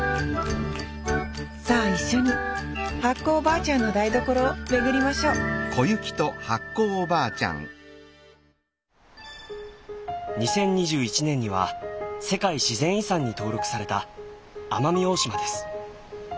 さあ一緒に発酵おばあちゃんの台所を巡りましょう２０２１年には世界自然遺産に登録された奄美大島です。